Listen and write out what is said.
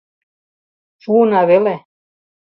Шуына веле.